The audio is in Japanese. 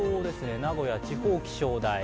名古屋地方気象台。